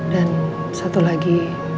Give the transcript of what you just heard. dan satu lagi